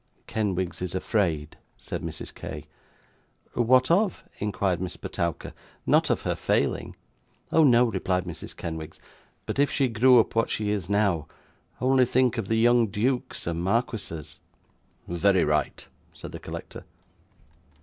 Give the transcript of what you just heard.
'Kenwigs is afraid,' said Mrs. K. 'What of?' inquired Miss Petowker, 'not of her failing?' 'Oh no,' replied Mrs. Kenwigs, 'but if she grew up what she is now, only think of the young dukes and marquises.' 'Very right,' said the collector.